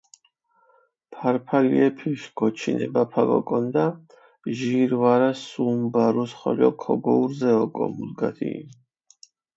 ფარფალიეფიშ გოჩინებაფა გოკონდა, ჟირ ვარა სუმ ბარუს ხოლო ქოგოურზე ოკო მუდგათ იჸინ.